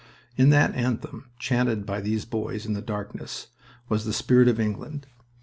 In that anthem, chanted by these boys in the darkness, was the spirit of England.